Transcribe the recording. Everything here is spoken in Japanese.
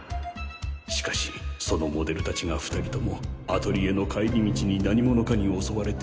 しかしそのモデル達が２人ともアトリエの帰り道に何者かに襲われて。